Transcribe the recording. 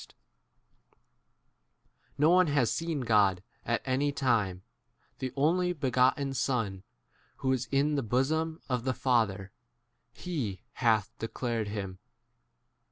18 No one has seen God at any time ; the only begotten Son, who is in m the bosom of the Father, lie hath 19 declared him.